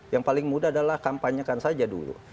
yang paling mudah adalah kampanyekan saja dulu